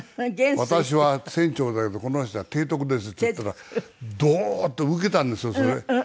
「私は船長だけどこの人は提督です」って言ったらドーッとウケたんですよそれ。